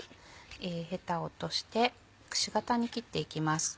ヘタを落としてくし形に切っていきます。